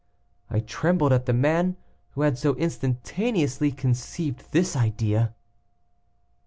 I trembled at the man who had so instantaneously conceived this idea."